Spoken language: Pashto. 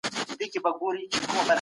خلګ به نور په تشو شعارونو ونه غولېږي.